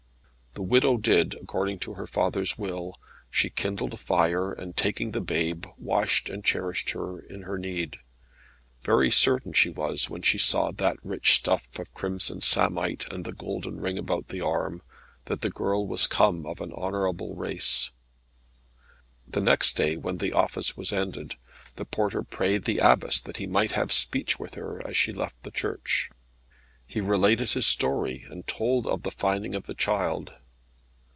The widow did according to her father's will. She kindled a fire, and taking the babe, washed and cherished her in her need. Very certain she was, when she saw that rich stuff of crimson samite, and the golden ring about the arm, that the girl was come of an honourable race. The next day, when the office was ended, the porter prayed the Abbess that he might have speech with her as she left the church. He related his story, and told of the finding of the child.